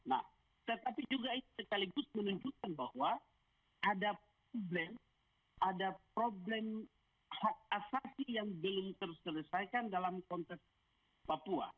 nah tetapi juga ini sekaligus menunjukkan bahwa ada problem ada problem hak asasi yang belum terselesaikan dalam konteks papua